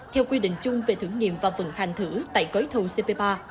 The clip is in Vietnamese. theo quy định chung về thử nghiệm và vận hành thử tại gói thầu cp ba